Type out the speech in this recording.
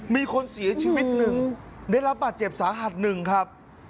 มีคนเสียชีวิตหนึ่งได้รับบาดเจ็บสาหัสหนึ่งครับ